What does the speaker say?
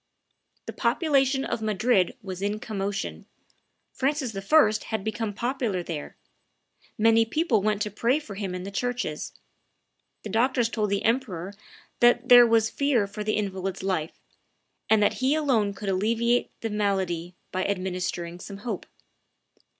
The population of Madrid was in commotion; Francis I. had become popular there; many people went to pray for him in the churches; the doctors told the emperor that there was fear for the invalid's life, and that he alone could alleviate the malady by administering some hope.